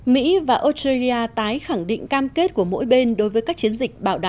mỹ và australia tái khẳng định cam kết của mỗi bên đối với các chiến dịch bảo đảm